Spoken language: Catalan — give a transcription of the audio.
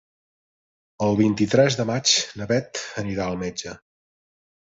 El vint-i-tres de maig na Bet anirà al metge.